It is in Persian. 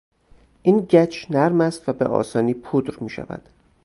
این گچ نرم است و به آسانی پودر میشود.